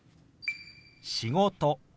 「仕事」。